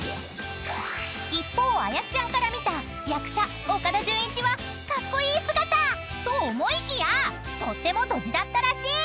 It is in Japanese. ［一方あやっちゃんから見た役者岡田准一はカッコイイ姿！と思いきやとってもドジだったらしい］